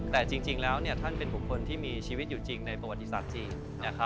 แต่จริงแล้วท่านเป็นบุคคลที่มีชีวิตอยู่จริงในประวัติศาสตร์จีน